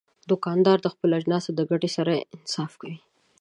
دوکاندار د خپلو اجناسو د ګټې سره انصاف کوي.